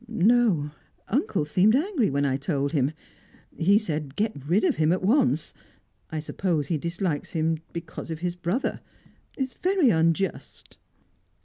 "No. Uncle seemed angry when I told him. He said, 'Get rid of him at once!' I suppose he dislikes him because of his brother. It's very unjust."